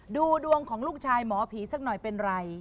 ดูดวงของลูกชายหมอผีสักหน่อยเป็นไร